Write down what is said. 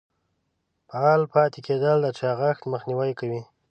فعال پاتې کیدل د چاغښت مخنیوی کوي.